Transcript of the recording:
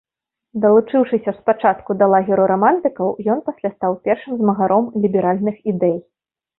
Далучыўшыся спачатку да лагеру рамантыкаў, ён пасля стаў першым змагаром ліберальных ідэй.